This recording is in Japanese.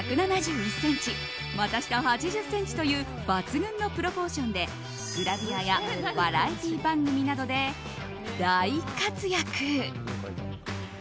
身長１７１ｃｍ股下８０ｃｍという抜群のプロポーションでグラビアやバラエティー番組などで大活躍。